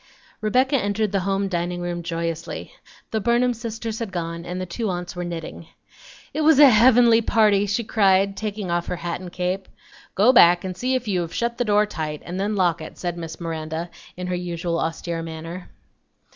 Rebecca entered the home dining room joyously. The Burnham sisters had gone and the two aunts were knitting. "It was a heavenly party," she cried, taking off her hat and cape. "Go back and see if you have shut the door tight, and then lock it," said Miss Miranda, in her usual austere manner.